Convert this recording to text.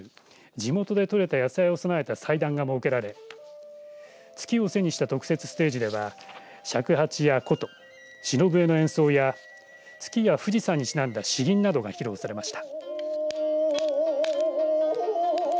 地元で採れた野菜を供えた祭壇が設けられ月を背にした特設ステージでは尺八や琴しの笛の演奏や月や富士山にちなんだ詩吟などが披露されました。